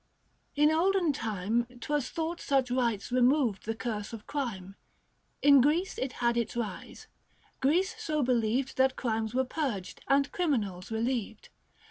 In olden time 'Twas thought such rites removed the curse of crime. In Greece it had its rise, Greece so believed That crimes were purged, and criminals relieved.